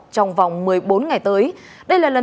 trong vòng một mươi bốn ngày tới